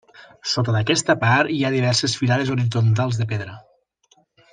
Sota d'aquesta part hi ha diverses filades horitzontals de pedra.